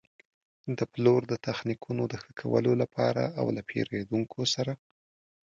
د پلور د تخنیکونو د ښه کولو لپاره او له پېرېدونکو سره.